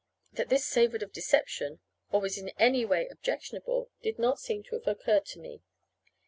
That this savored of deception, or was in any way objectionable, did not seem to have occurred to me.